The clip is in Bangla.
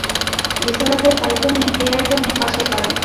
রিসালাতের দায়িত্ব দেয়ার জন্যে বাছাই করেন।